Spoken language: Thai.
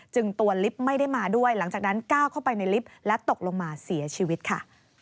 ตัวลิฟต์ไม่ได้มาด้วยหลังจากนั้นก้าวเข้าไปในลิฟต์และตกลงมาเสียชีวิตค่ะ